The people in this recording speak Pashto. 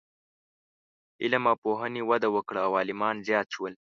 علم او پوهنې وده وکړه او عالمان زیات شول.